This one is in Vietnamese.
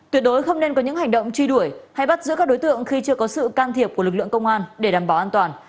tuyệt đối không nên có những hành động truy đuổi hay bắt giữ các đối tượng khi chưa có sự can thiệp của lực lượng công an để đảm bảo an toàn